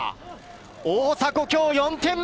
大迫、今日４点目！